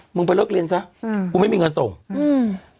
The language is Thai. มึงไปเลิกเรียนซะอืมกูไม่มีเงินส่งอืม